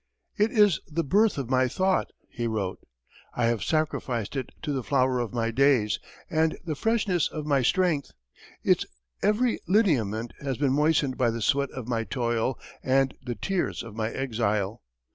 "It is the birth of my thought," he wrote. "I have sacrificed to it the flower of my days, and the freshness of my strength; its every lineament has been moistened by the sweat of my toil and the tears of my exile.